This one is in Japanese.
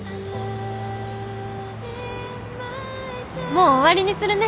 もう終わりにするね。